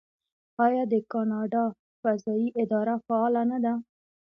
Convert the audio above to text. آیا د کاناډا فضایی اداره فعاله نه ده؟